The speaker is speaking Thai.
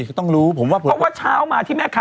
เพราะว่าเช้ามาที่แม่ข้ำ